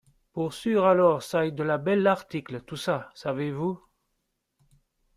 Pour sûr, alors, ç’aïe de la belle article, tout ça, savez-vous !